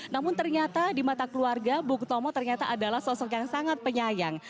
namun ternyata di mata keluarga bung tomo ternyata adalah sosok yang sangat penyayang